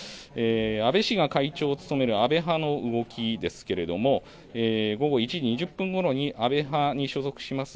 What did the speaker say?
安倍氏が会長を務める安倍派の動きですけれども、午後１時２０分ごろに安倍派に所属します